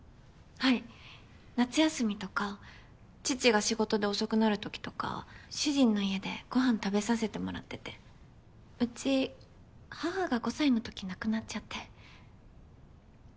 はい夏休みとか父が仕事で遅くなるときとか主人の家でご飯食べさせてもらってて。うち母が５歳のとき亡くなっちゃって。